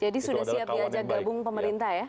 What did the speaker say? jadi sudah siap diajak gabung pemerintah ya